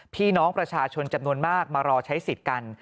พี่น้องประชาชนจำนวนมากมารอใช้สิทธิ์กัน